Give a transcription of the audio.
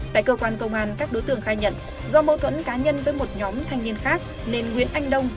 tại cơ quan công an các đối tượng khai nhận do mâu thuẫn cá nhân với một nhóm thanh niên khác nên nguyễn anh đông